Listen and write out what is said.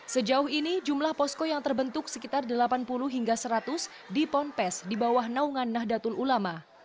sejauh ini jumlah posko yang terbentuk sekitar delapan puluh hingga seratus di ponpes di bawah naungan nahdlatul ulama